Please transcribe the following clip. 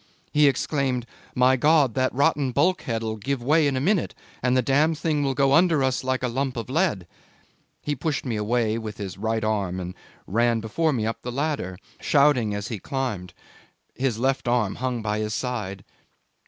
He exclaimed, "My God! That rotten bulkhead'll give way in a minute, and the damned thing will go down under us like a lump of lead." He pushed me away with his right arm and ran before me up the ladder, shouting as he climbed. His left arm hung by his side.